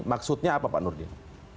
maksudnya apa pak nurdin